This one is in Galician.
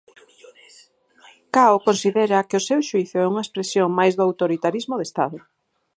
Cao considera que o seu xuízo é unha expresión máis do autoritarismo de Estado.